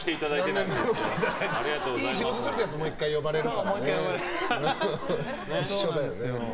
いい仕事するともう１回呼ばれるんだよね。